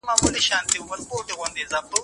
له تکنالوژۍ مثبت کار واخلئ.